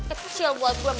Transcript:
itu sial buat gue